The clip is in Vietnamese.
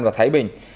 và thái bình